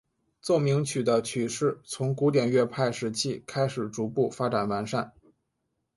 奏鸣曲的曲式从古典乐派时期开始逐步发展完善。